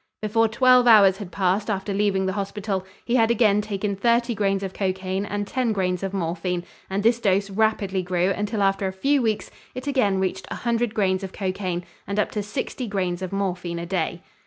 Before twelve hours had passed after leaving the hospital, he had again taken thirty grains of cocaine and ten grains of morphine, and this dose rapidly grew until after a few weeks it again reached a hundred grains of cocaine and up to sixty grains of morphine a day.